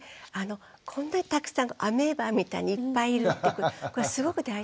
こんなにたくさんアメーバみたいにいっぱいいるってことこれすごく大事で。